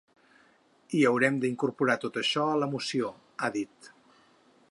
I haurem d’incorporar tot això a la moció, ha dit.